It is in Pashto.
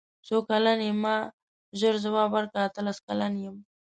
څو کلن یې ما ژر ځواب ورکړ اتلس کلن یم.